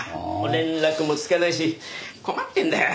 連絡もつかないし困ってるんだよ。